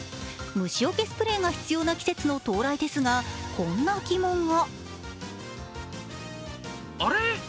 虫よけスプレーが必要な季節の到来ですが、こんな疑問が。